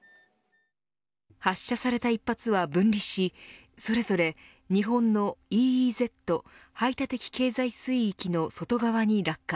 発射された一発は分離しそれぞれ日本のＥＥＺ＝排他的経済水域の外側に落下。